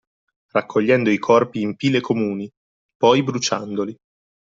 Raccogliendo i corpi in pile comuni, poi bruciandoli.